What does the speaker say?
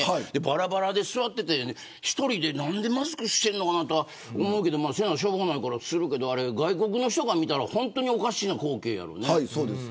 ばらばらで座ってて１人で何でマスクしているのかなって思うけどせなしょうがないからするけど外国の人から見たらほんとに、おかしい光景やろね。